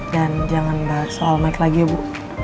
dan jangan balik soal mac lagi ya bu